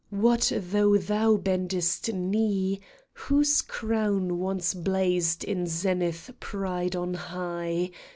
What though thou bendest knee, Whose crown once blazed in zenith pride on high